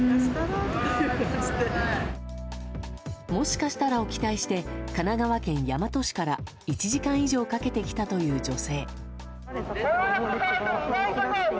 もしかしたらを期待して神奈川県大和市から１時間以上かけて来たという女性。